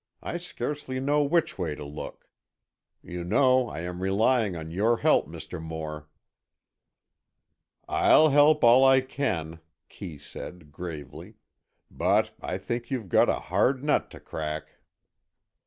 I scarcely know which way to look. You know I am relying on your help, Mr. Moore." "I'll help all I can," Kee said, gravely. "But I think you've got a hard nut to crack."